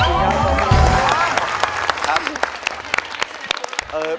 ขอบคุณครับขอบคุณครับขอบคุณครับ